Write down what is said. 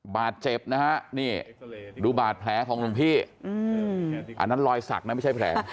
บาดเจ็บนะฮะนี่ดูบาดแผลของหลวงพี่อันนั้นรอยสักนะไม่ใช่แผล